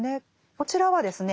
こちらはですね